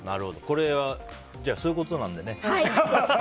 これは、そういうことなのでね。